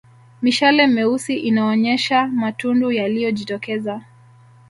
Mishale meusi inaonyesha matundu yaliyojitokeza